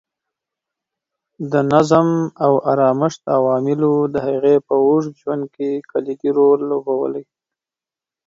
د نظم او ارامښت عواملو د هغې په اوږد ژوند کې کلیدي رول لوبولی.